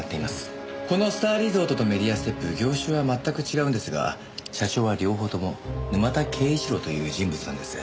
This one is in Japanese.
このスターリゾートとメディアステップ業種は全く違うんですが社長は両方とも沼田敬一郎という人物なんです。